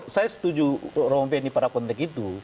saya setuju pak ramon ferry para konten itu